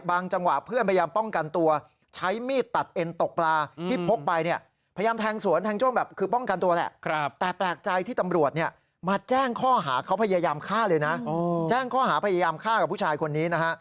มาแจ้งข้อหาเขาพยายามฆ่าเลยนะแจ้งข้อหาพยายามฆ่ากับผู้ชายคนนี้นะฮะ